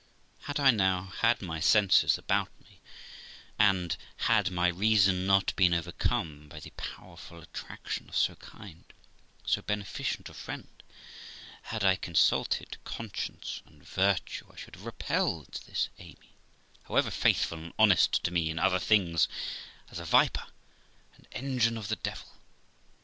Had I now had my senses about me, and had my reason not been overcome by the powerful attraction of so kind, so beneficent a friend j had I consulted conscience and virtue, I should have repelled this Amy, however faithful and honest to me in other things, as a viper and engine of the devil.